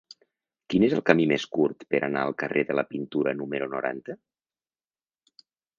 Quin és el camí més curt per anar al carrer de la Pintura número noranta?